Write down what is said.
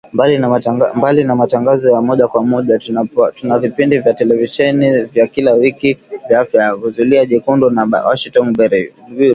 Mbali na matangazo ya moja kwa moja tuna vipindi vya televisheni vya kila wiki vya Afya Yako, Zulia Jekundu na Washington Bureau